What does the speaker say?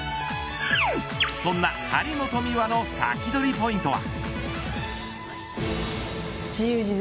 そんな張本美和のサキドリポイントは。